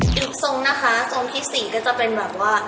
รูปทรงนะคะทรงที่๔ก็จะเป็นแบบว่า